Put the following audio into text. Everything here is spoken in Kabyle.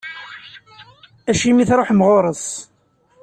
Acimi i truḥem ɣur-s.